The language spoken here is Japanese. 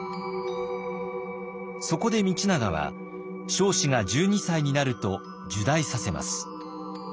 そこで道長は彰子が１２歳になると入内させます。